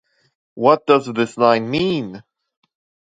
What does this line mean?